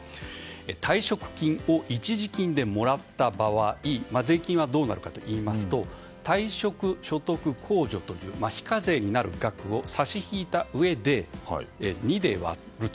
退職金を一時金でもらった場合税金はどうなるかといいますと退職所得控除という非課税になる額を差し引いたうえで、２で割ると。